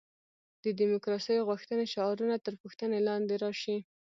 د دیموکراسي غوښتنې شعارونه تر پوښتنې لاندې راشي.